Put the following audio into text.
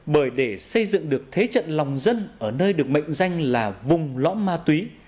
bởi để xây dựng được thế trận lòng dân ở nơi được mệnh danh là vùng lõm ma túy